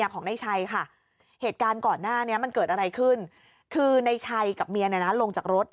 ก่อนหน้านี้มันเกิดอะไรขึ้นคือในชัยกับเมียน่ะน่ะลงจากรถ